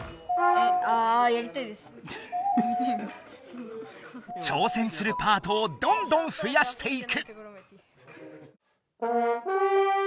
あ挑戦するパートをどんどん増やしていく。